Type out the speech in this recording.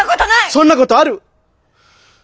そんなことある！